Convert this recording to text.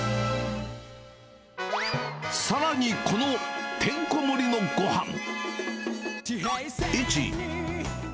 さらに、このてんこ盛りのごはん。